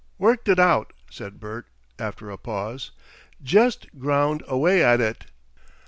"Worked it out," said Bert, after a pause. "Jest ground away at it."